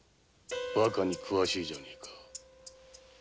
バカに詳しいじゃねぇか？